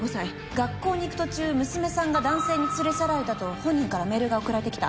学校に行く途中娘さんが男性に連れ去られたと本人からメールが送られて来た。